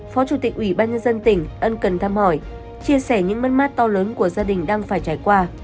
phó chủ tịch ủy ban nhân dân tỉnh ân cần thăm hỏi chia sẻ những mất mát to lớn của gia đình đang phải trải qua